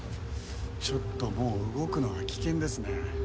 ちょっともう動くのは危険ですね。